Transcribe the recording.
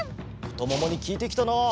ふとももにきいてきたな。